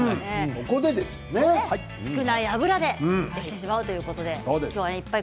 そこで少ない油でできてしまうということでコツもいっぱい